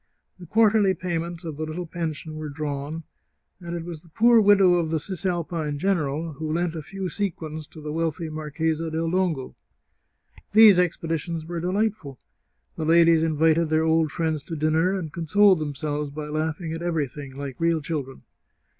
The quarterly pay ments of the little pension were drawn, and it was the poor widow of the Cisalpine general who lent a few sequins to the wealthy Marchesa del Dongo. These expeditions were delightful ; the ladies invited their old friends to din ner, and consoled themselves by laughing at everything, like real children.